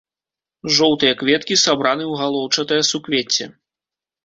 Жоўтыя кветкі сабраны ў галоўчатае суквецце.